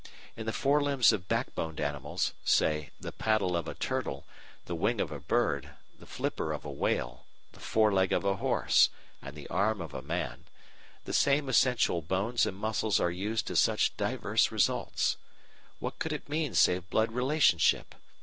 In the fore limbs of backboned animals, say, the paddle of a turtle, the wing of a bird, the flipper of a whale, the fore leg of a horse, and the arm of a man; the same essential bones and muscles are used to such diverse results! What could it mean save blood relationship?